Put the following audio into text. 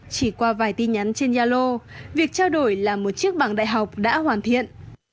chỉ qua vài tin nhắn trên yalo việc trao đổi là một chiếc bằng đại học đã hoàn thiện